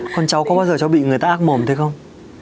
con cháu có bao giờ bị người ta ác mồm thế không